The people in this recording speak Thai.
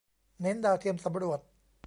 เน้นดาวเทียมสำรวจ